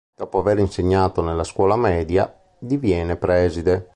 Dopo aver insegnato nella scuola media, diviene preside.